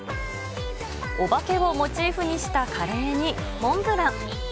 お化けをモチーフにしたカレーにモンブラン。